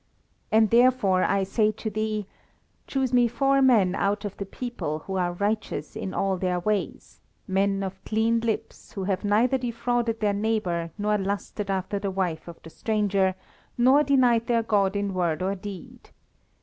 And therefore I say to thee, choose me four men out of the people who are righteous in all their ways, men of clean lips, who have neither defrauded their neighbour nor lusted after the wife of the stranger, nor denied their God in word or deed.